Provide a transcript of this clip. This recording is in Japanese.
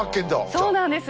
そうなんです。